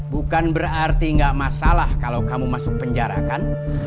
bukan berarti nggak masalah kalau kamu masuk penjara kan